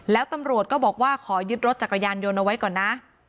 แล้วตำรวจก็บอกว่าขอยึดรถจักรยานยนต์เอาไว้ก่อนนะ